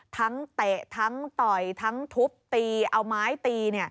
เตะทั้งต่อยทั้งทุบตีเอาไม้ตี